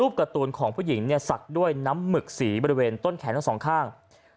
การ์ตูนของผู้หญิงเนี่ยสักด้วยน้ำหมึกสีบริเวณต้นแขนทั้งสองข้าง